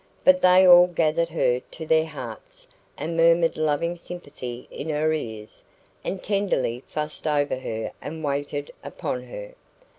But they all gathered her to their hearts, and murmured loving sympathy in her ears, and tenderly fussed over her and waited upon her.